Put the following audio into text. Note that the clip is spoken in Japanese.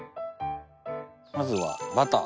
まずはバター。